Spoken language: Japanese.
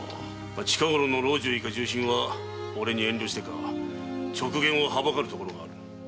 近頃の老中以下重臣は俺に遠慮してか直言を憚るところがある。